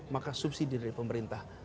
maka subsidi dari pemerintah